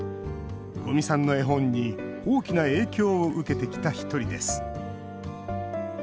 五味さんの絵本に大きな影響を受けてきた一人です。